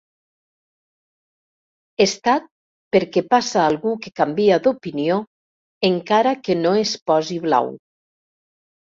Estat per què passa algú que canvia d'opinió, encara que no es posi blau.